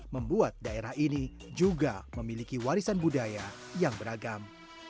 membuat daerah ini juga memiliki warisan budaya yang beragam